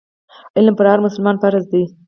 علم پر هر مسلمان فرض دی.